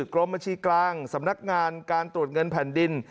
กรมบัญชีกลางสำนักงานการตรวจเงินแผ่นดิน